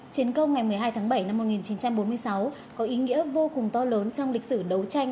chiến công ngày một mươi hai tháng bảy năm một nghìn chín trăm bốn mươi sáu có ý nghĩa vô cùng to lớn trong lịch sử đấu tranh